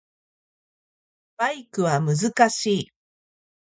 バイクは難しい